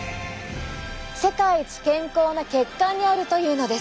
世界一健康な血管にあるというのです。